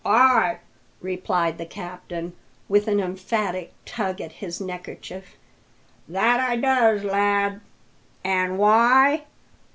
"Ay," replied the captain, with an emphatic tug at his neckerchief, "that I does, lad! An' why?